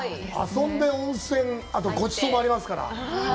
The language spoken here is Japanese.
遊んで、温泉、あと、ごちそうもありますから。